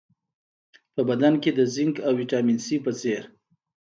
په بدن کې د زېنک او ویټامین سي په څېر